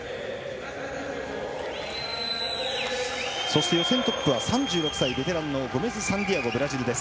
そして予選トップは３６歳ベテランのゴメスサンティアゴ、ブラジル。